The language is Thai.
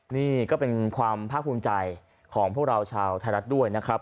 นี่ก็เป็นความภาคภูมิใจของพวกเราชาวไทยรัฐด้วยนะครับ